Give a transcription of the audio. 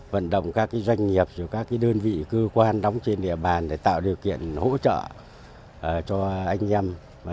vận động các doanh nghiệp các đơn vị cơ quan đóng trên địa bàn để tạo điều kiện hỗ trợ cho anh em